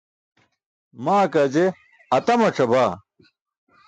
Maa kaa je atamac̣abaa.